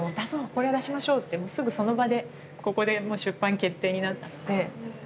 これは出しましょう」ってもうすぐその場でここでもう出版決定になったのではい。